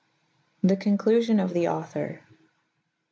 The conclullon of the Author.